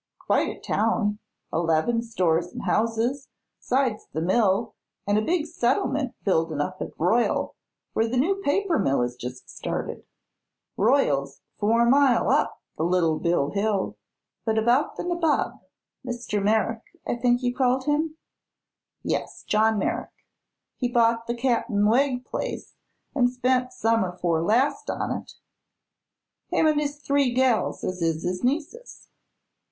"Quite a town. Eleven stores an' houses, 'sides the mill an' a big settlement buildin' up at Royal, where the new paper mill is jest started. Royal's four mile up the Little Bill Hill." "But about the nabob Mr. Merrick, I think you called him?" "Yes; John Merrick. He bought the Cap'n Wegg place an' spent summer 'fore last on it him an' his three gals as is his nieces."